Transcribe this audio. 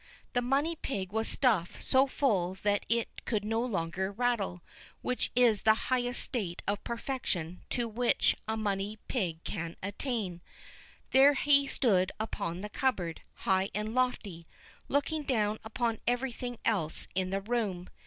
The money pig was stuffed so full that it could no longer rattle, which is the highest state of perfection to which a money pig can attain. There he stood upon the cupboard, high and lofty, looking down upon everything else in the room.